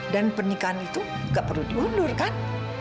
dan pernikahan itu tidak perlu diundurkan